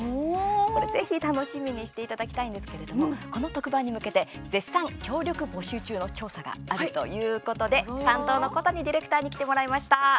これ、ぜひ楽しみにしていただきたいんですけれどもこの特番に向けて絶賛協力募集中の調査があるということで担当の小谷ディレクターに来てもらいました。